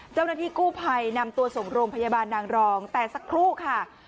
เจ้าหน้าที่กู้ภัยนำตัวส่งโรงพยาบาลนางรองแต่สักครู่ค่ะ